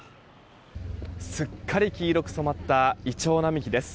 すっかり黄色く染まったイチョウ並木です。